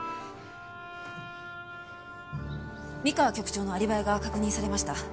三河局長のアリバイが確認されました。